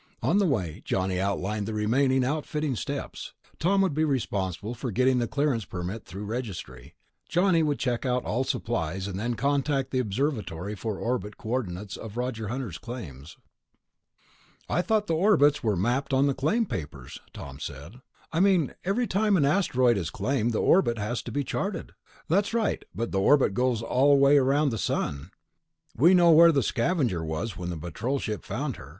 On the way Johnny outlined the remaining outfitting steps. Tom would be responsible for getting the clearance permit through Registry; Johnny would check out all supplies, and then contact the observatory for the orbit coordinates of Roger Hunter's claims. "I thought the orbits were mapped on the claim papers," Tom said. "I mean, every time an asteroid is claimed, the orbit has to be charted...." "That's right, but the orbit goes all the way around the sun. We know where the Scavenger was when the Patrol ship found her